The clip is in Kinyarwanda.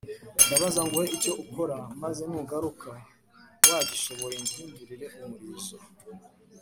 ndabanza nguhe icyo ukora maze nugaruka wagishoboye nguhindurire umurizo